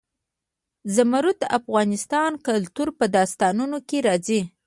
زمرد د افغان کلتور په داستانونو کې راځي.